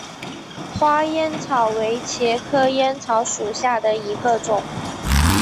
花烟草为茄科烟草属下的一个种。